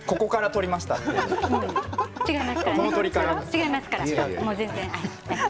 違いますからね。